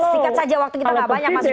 sikat saja waktu kita nggak banyak mas ujang